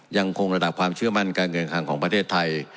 ยังคงระดับความเชื่อมั่นการเงินคังของประเทศไทย